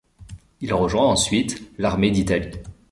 Il rejoint ensuite l'Armée d'Italie.